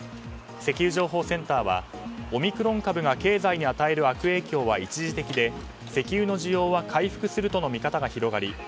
石油情報センターはオミクロン株が経済に与える悪影響は一時的で石油の需要は回復するとの見方が広がり